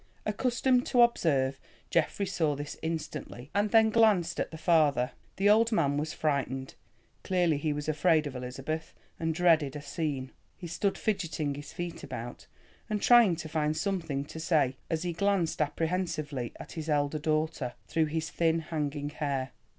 Accustomed to observe, Geoffrey saw this instantly, and then glanced at the father. The old man was frightened; clearly he was afraid of Elizabeth, and dreaded a scene. He stood fidgeting his feet about, and trying to find something to say, as he glanced apprehensively at his elder daughter, through his thin hanging hair.